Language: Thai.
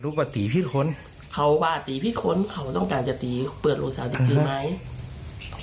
รูปว่าตีผิดคนเขาบ้าตีผิดคนเขาต้องการจะตีเปิดหลูกสาวจริงจริงไหม